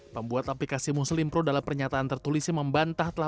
pembuat aplikasi muslim pro dalam pernyataan tertulis membantah